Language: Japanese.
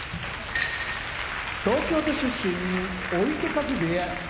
東京都出身追手風部屋